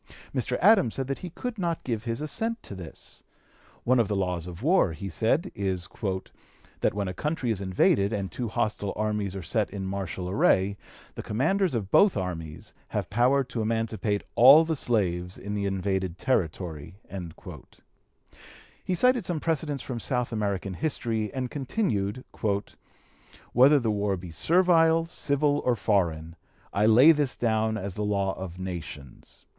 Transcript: Mr. Adams said that he could not give his assent to this. One of the laws of war, he said, is "that when a country is invaded, and two hostile armies are set in martial array, the commanders of both armies have power to emancipate all the slaves in the invaded territory." He cited some precedents from South American history, and continued: "Whether the war be servile, civil, or foreign, I lay this down as the law of nations.